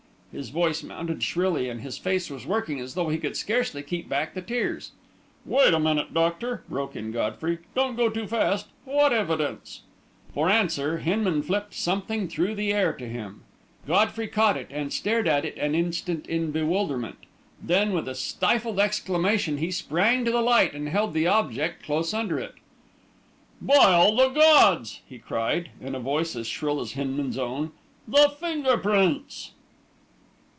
His voice had mounted shrilly, and his face was working as though he could scarcely keep back the tears. "Wait a minute, doctor," broke in Godfrey. "Don't go too fast. What evidence?" For answer, Hinman flipped something through the air to him. Godfrey caught it, and stared at it an instant in bewilderment; then, with a stifled exclamation, he sprang to the light and held the object close under it. "By all the gods!" he cried, in a voice as shrill as Hinman's own. "The finger prints!"